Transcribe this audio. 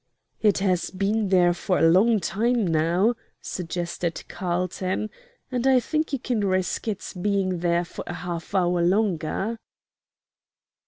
"It has been there for a long time now," suggested Carlton, "and I think you can risk its being there for a half hour longer."